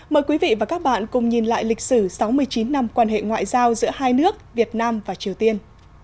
mời quý vị và các bạn cùng nhìn lại lịch sử sáu mươi chín năm quan hệ ngoại giao giữa hai nước việt nam và triều tiên